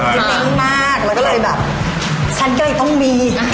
แล้วก็เลยแบบฉันก็เลยต้องมี